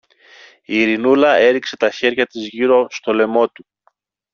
Η Ειρηνούλα έριξε τα χέρια της γύρω στο λαιμό του.